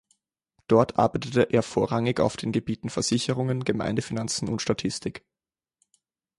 Dort arbeitete er vorrangig auf den Gebieten Versicherungen, Gemeindefinanzen und Statistik.